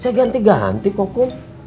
saya ganti ganti kom